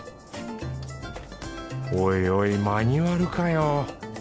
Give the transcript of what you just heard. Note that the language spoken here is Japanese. おいおいマニュアルかよ。